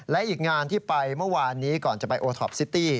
และอีกงานที่ไปเมื่อวานนี้ก่อนจะไปโอท็อปซิตี้